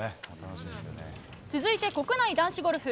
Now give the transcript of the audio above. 続いて国内男子ゴルフ。